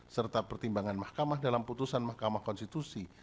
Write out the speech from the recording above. serta pertimbangan mahkamah dalam putusan mahkamah konstitusi